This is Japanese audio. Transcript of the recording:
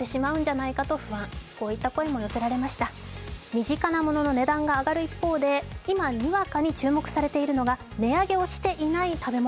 身近なものの値段が上がる一方で、今、にわかに注目されているのが値上げをしていない食べ物。